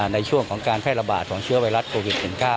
ในช่วงของการแพร่ระบาดของเชื้อไวรัสโควิด๑๙